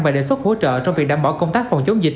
và đề xuất hỗ trợ trong việc đảm bảo công tác phòng chống dịch